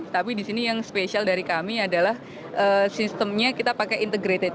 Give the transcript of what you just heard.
tapi di sini yang spesial dari kami adalah sistemnya kita pakai integrated